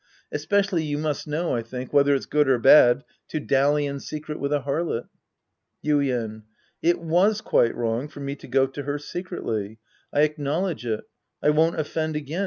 Especially, you must know, I think^ whether it's good or bad to dally in secret with a harlot. Yuien. It was quite wrong for me to go to her secretly. I acknowledge it. I won't offend again.